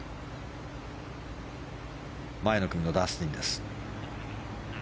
前の組のダスティンです。